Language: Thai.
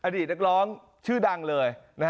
อดีตนักร้องชื่อดังเลย